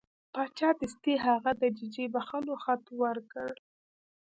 باچا دستي هغه د ججې بخښلو خط ورکړ.